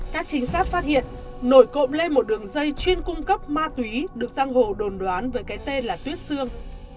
các chính sát phát hiện nổi cộm lên một đường dây chuyên cung cấp ma túy được giang hồ đồn đoán với cái tên là tuyết sương